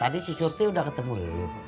tadi si surti udah ketemu lo